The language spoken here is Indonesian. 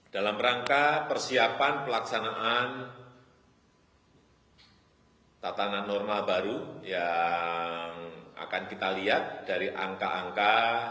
dalam rangka persiapan pelaksanaan tatanan normal baru yang akan kita lihat dari angka angka